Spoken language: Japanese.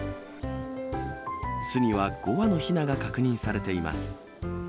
巣には５羽のひなが確認されています。